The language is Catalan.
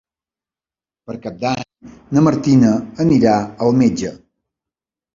Per Cap d'Any na Martina anirà al metge.